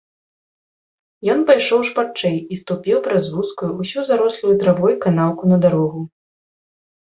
Ён пайшоў шпарчэй і ступіў праз вузкую, усю зарослую травой канаўку на дарогу.